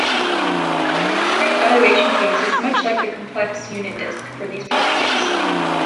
The discrete valuation case is much like the complex unit disk, for these purposes.